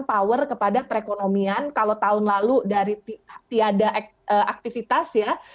power kepada perekonomian kalau tahun lalu dari tiada aktivitas ya